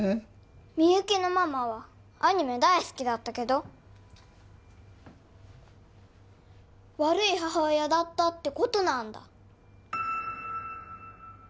みゆきのママはアニメ大好きだったけど悪い母親だったってことなんだ？